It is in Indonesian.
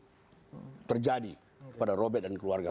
itu terjadi pada robek dan keluarga